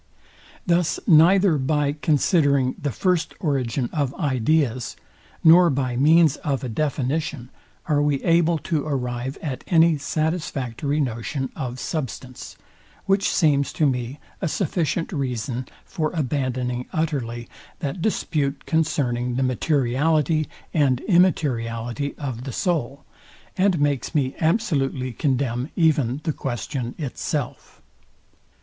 Thus neither by considering the first origin of ideas, nor by means of a definition are we able to arrive at any satisfactory notion of substance; which seems to me a sufficient reason for abandoning utterly that dispute concerning the materiality and immateriality of the soul, and makes me absolutely condemn even the question itself.